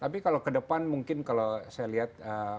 tapi kalau ke depan mungkin kalau saya lihat